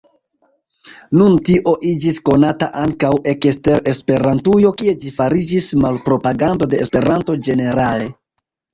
Nun tio iĝis konata ankaŭ ekster Esperantujo, kie ĝi fariĝis malpropagando de Esperanto ĝenerale.